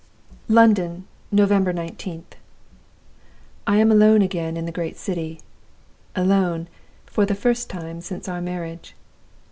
"London, November 19th. I am alone again in the Great City; alone, for the first time since our marriage.